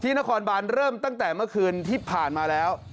นครบานเริ่มตั้งแต่เมื่อคืนที่ผ่านมาแล้ว